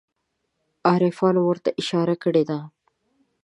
عارفانو ورته اشاره کړې ده.